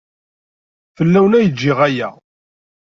Fell-awen ay giɣ aya.